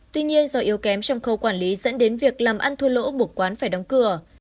tuy nhiên do yếu kém trong khâu quản lý dẫn đến việc làm ăn thua lỗ buộc quán phải đóng cửa